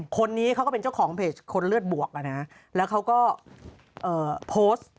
คนนี้เขาก็เป็นเจ้าของเพจคนเลือดบวกแล้วเขาก็โพสต์